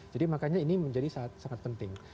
jadi makanya ini menjadi sangat penting